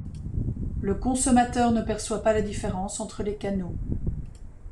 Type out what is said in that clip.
Le consommateur ne perçoit pas la différence entre les canaux.